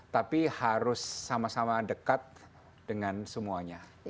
tapi harus sama sama dekat dengan semuanya